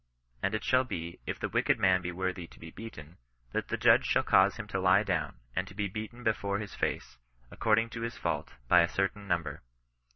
And it shall be, if the wicked man be worthy to be beaten, that the judge shall cause him to lie down, and to be beaten before his face, ac cording to his fftult, by a certain number.